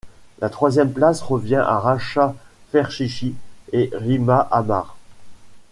La troisième place revient à Racha Ferchichi et Rima Ammar.